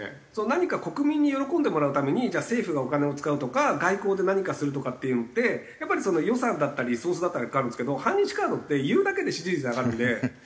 何か国民に喜んでもらうためにじゃあ政府がお金を使うとか外交で何かするとかっていうのってやっぱり予算だったりリソースだったりがかかるんですけど反日カードって言うだけで支持率上がるんでなんだろう